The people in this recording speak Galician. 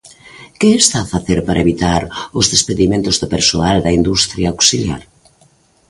¿Que está a facer para evitar os despedimentos do persoal da industria auxiliar?